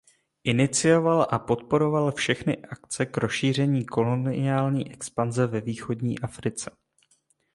Inicioval a podporoval všechny akce k rozšíření koloniální expanze ve Východní Africe.